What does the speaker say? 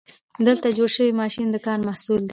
دلته جوړ شوی ماشین د کار محصول دی.